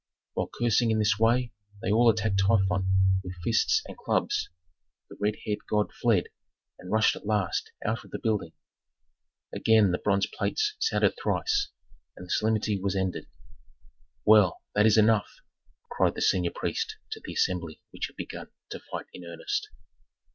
While cursing in this way they all attacked Typhon with fists and clubs; the red haired god fled, and rushed at last out of the building. Again the bronze plates sounded thrice, and the solemnity was ended. "Well, that is enough!" cried the senior priest to the assembly which had begun to fight in earnest.